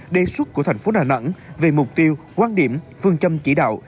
đề xuất của thành phố đà nẵng về mục tiêu quan điểm phương châm chỉ đạo